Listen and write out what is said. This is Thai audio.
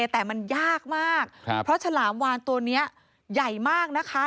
แต่มันยากมากเพราะฉลามวานตัวนี้ใหญ่มากนะคะ